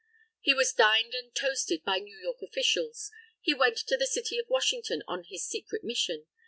He was dined and toasted by New York officials. He went to the City of Washington on his secret mission.